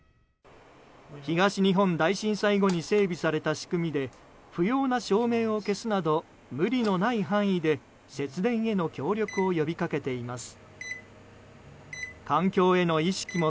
東日本大震災後に整備された仕組みで不要な照明を消すなど無理のない範囲で節電への協力を呼びかけています。